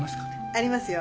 ありますよ。